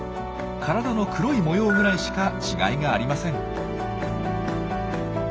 体の黒い模様ぐらいしか違いがありません。